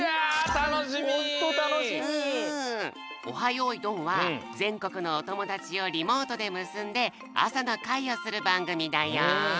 よいどん」はぜんこくのおともだちをリモートでむすんであさのかいをするばんぐみだよ。